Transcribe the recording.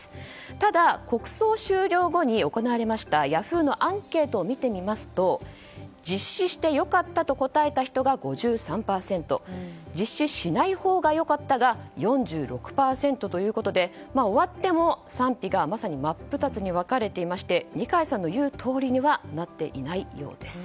ただ、国葬終了後に行われましたヤフーのアンケートを見てみますと実施して良かったと答えた人が５３％実施しないほうが良かったが４６％ということで終わっても、賛否がまさに真っ二つに分かれていて二階さんの言うとおりにはなっていないようです。